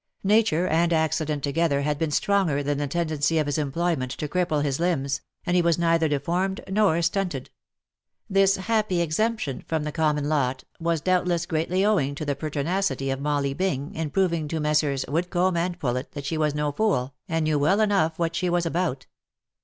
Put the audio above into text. Nature and accident together OF MICHAEL ARMSTRONG. 285 had been stronger than the tendency of his employment to cripple his limbs, and he was neither deformed nor stunted. This happy exemp tion from the common lot, was doubtless greatly owing to the perti nacity of Molly Bing, in proving to Messrs. Woodcomb and Poulet that she was no fool, and knew well enough what she was about.